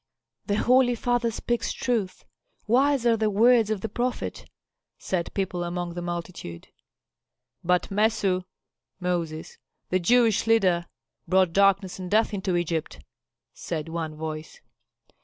"The holy father speaks truth. Wise are the words of the prophet!" said people among the multitude. "But Messu (Moses), the Jewish leader, brought darkness and death into Egypt!" said one voice.